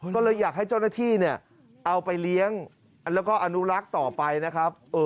ก็เลยอยากให้เจ้าหน้าที่เนี่ยเอาไปเลี้ยงแล้วก็อนุรักษ์ต่อไปนะครับ